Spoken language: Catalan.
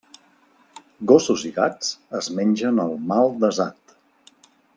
Gossos i gats es mengen el mal desat.